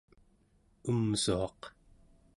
umsuaq